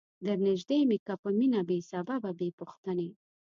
درنیژدې می که په مینه بې سببه بې پوښتنی